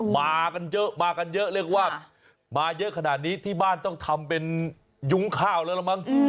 มากันเยอะมากันเยอะเรียกว่ามาเยอะขนาดนี้ที่บ้านต้องทำเป็นยุ้งข้าวแล้วละมั้ง